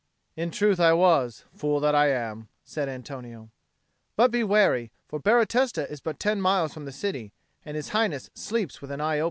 "In truth I was, fool that I am," said Antonio. "But be wary; for Baratesta is but ten miles from the city, and His Highness sleeps with an open eye."